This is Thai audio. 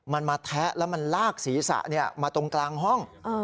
มันมาแทะแล้วมันลากศีรษะมาตรงกลางห้อง